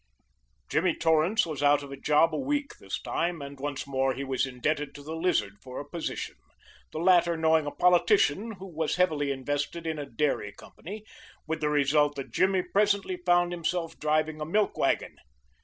Jimmy Torrance was out of a job a week this time, and once more he was indebted to the Lizard for a position, the latter knowing a politician who was heavily interested in a dairy company, with the result that Jimmy presently found himself driving a milk wagon.